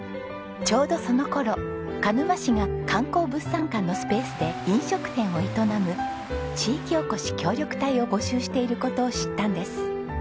ちょうどその頃鹿沼市が観光物産館のスペースで飲食店を営む地域おこし協力隊を募集している事を知ったんです。